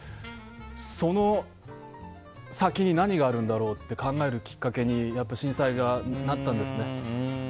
その先に何があるんだろうって考えるきっかけに震災がなったんですね。